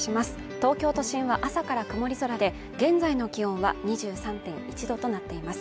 東京都心は朝から曇り空で現在の気温は２３．１度となっています。